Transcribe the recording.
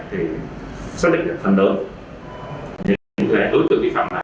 thì xác định là phần lớn những tổ tượng đi phạm này